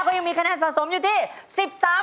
ก็ยังมีคะแนนสะสมอยู่ที่๑๓